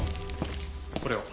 これを。